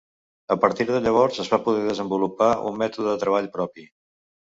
A partir de llavors es va poder desenvolupar un mètode de treball propi.